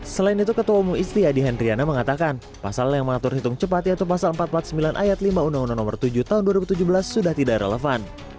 selain itu ketua umum isti adi hendriana mengatakan pasal yang mengatur hitung cepat yaitu pasal empat ratus empat puluh sembilan ayat lima undang undang nomor tujuh tahun dua ribu tujuh belas sudah tidak relevan